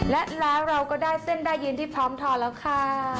และแล้วเราก็ได้เส้นได้ยินที่พร้อมทอแล้วค่ะ